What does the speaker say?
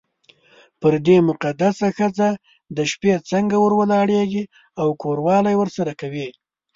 پر دې مقدسه ښځه د شپې څنګه ور ولاړېږې او کوروالی ورسره کوې.